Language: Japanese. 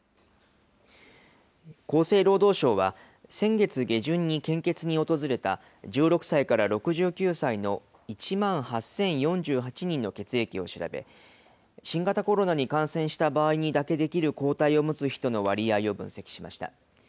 厚生労働省は、先月下旬に献血に訪れた１６歳から６９歳の１万８０４８人の血液を調べ、新型コロナに感染した場合にだけ出来る抗体を持つ人の割合を分析しました。